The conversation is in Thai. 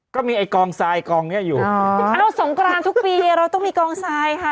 ก็มีไอ้กองทรายกองเนี้ยอยู่อ๋อเอ้าสงกรานทุกปีเราต้องมีกองทรายค่ะ